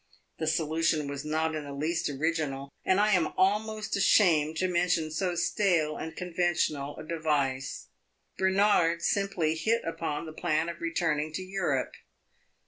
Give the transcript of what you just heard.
The solution was not in the least original, and I am almost ashamed to mention so stale and conventional a device. Bernard simply hit upon the plan of returning to Europe.